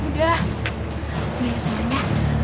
udah ya sama sama